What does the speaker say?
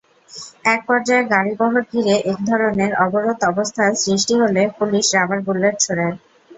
একপর্যায়ে গাড়িবহর ঘিরে একধরনের অবরোধ অবস্থার সৃষ্টি হলে পুলিশ রাবার বুলেট ছোড়ে।